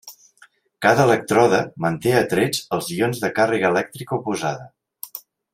Cada elèctrode manté atrets els ions de càrrega elèctrica oposada.